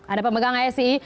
ada pemegang asii